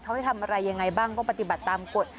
เขาได้ทำอะไรยังไงบ้างก็ปฏิบัติตามกฎ